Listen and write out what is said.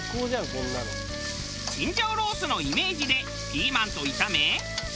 チンジャオロースのイメージでピーマンと炒め。